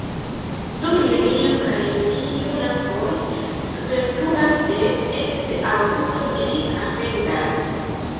Dum junio kaj julio lampoj superfluas, sed ekde aŭgusto ili havendas.